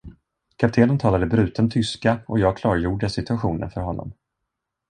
Kaptenen talade bruten tyska och jag klargjorde situationen för honom.